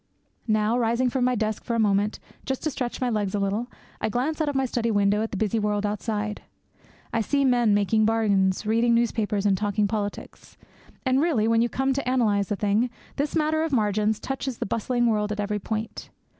Now, rising from my desk for a moment, just to stretch my legs a little, I glance out of my study window at the busy world outside. I see men making bargains, reading newspapers, and talking politics. And really, when you come to analyse the thing, this matter of the margin touches that bustling world at every point.